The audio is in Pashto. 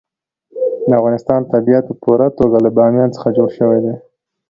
د افغانستان طبیعت په پوره توګه له بامیان څخه جوړ شوی دی.